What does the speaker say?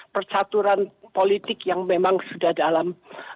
percaturan politik yang memang sudah dalam